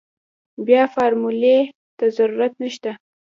بيا فارمولې ته ضرورت نشته.